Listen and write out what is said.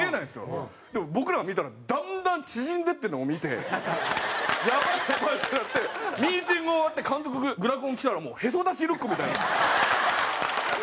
でも僕らが見たらだんだん縮んでいってるのを見てやばいやばい！ってなってミーティング終わって監督グラコン着たらもうへそ出しルックみたいになってるんですよ。